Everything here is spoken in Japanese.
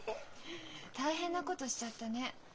大変なことしちゃったね。